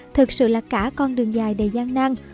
thực sự là cả con đường dài đầy gian nang